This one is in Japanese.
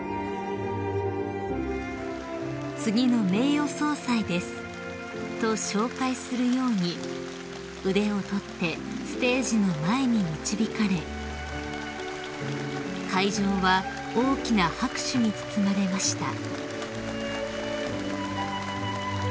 ［「次の名誉総裁です」と紹介するように腕を取ってステージの前に導かれ会場は大きな拍手に包まれました］